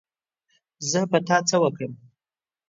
زه په تا څه وکړم